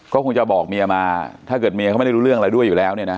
ก็คงจะบอกเมียมาถ้าเกิดเมียเขาไม่ได้รู้เรื่องอะไรด้วยอยู่แล้วเนี่ยนะ